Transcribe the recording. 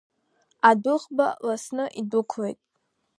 Адәыӷба ласны идәықәлеит.